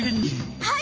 はい！